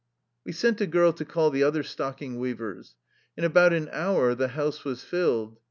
We sent a girl to call the other stocking weav ers. In about an hour the house was filled.